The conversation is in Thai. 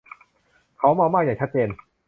เค้าเมามากอย่างชัดเจน